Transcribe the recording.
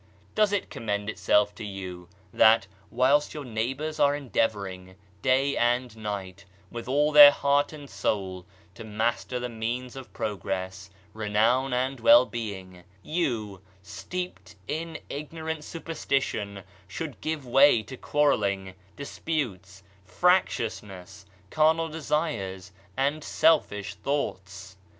Does it commend itself to you that, whilst your neighbors are endeavoring day and night, with all their heart and soul, to master the means of progress, renown and well being, you, steeped in ignorant superstition, should give way to quar relling, disputes, fractiousness, carnal desires and selfish thoughts?